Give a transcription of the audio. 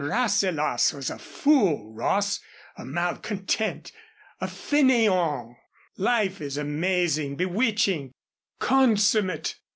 "Rasselas was a fool, Ross, a malcontent a fainéant. Life is amazing, bewitching, consummate."